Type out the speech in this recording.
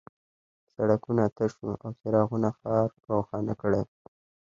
سړکونه تش وو او څراغونو ښار روښانه کړی و